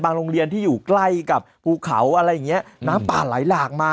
โรงเรียนที่อยู่ใกล้กับภูเขาอะไรอย่างเงี้ยน้ำป่าไหลหลากมา